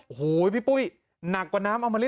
โอ้โหพี่ปุ้ยหนักกว่าน้ำอมริ